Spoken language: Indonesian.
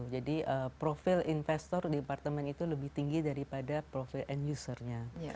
jadi profil investor di apartemen itu lebih tinggi daripada profil end usernya